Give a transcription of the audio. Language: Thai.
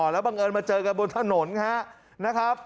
อ๋อแล้วบังเอิญมาเจอกันบนถนนค่ะ